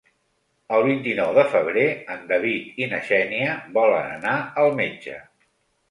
El vint-i-nou de febrer en David i na Xènia volen anar al metge.